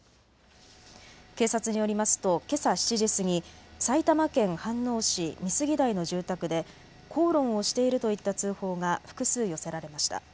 警察によりますとけさ７時過ぎ埼玉県飯能市美杉台の住宅で口論をしているといった通報が複数寄せられました。